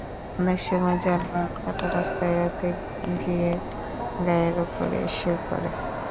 অনেক সময় যানবাহন কাটা রাস্তা এড়াতে গিয়ে গায়ের ওপর এসে পড়ে।